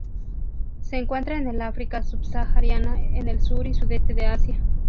Se encuentra en el África subsahariana, en el sur y Sudeste de Asia.